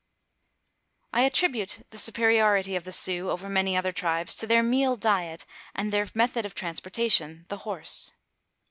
I attribute the superiority of the Sioux over many other tribes to their meat diet and their method of transportation the horse.